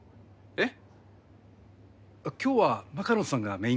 えっ？